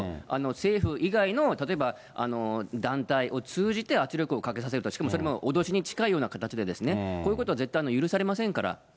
政府以外の、例えば団体を通じて圧力をかけさせる、しかもそれも脅しに近いような形で、こういうことは絶対許されませんから。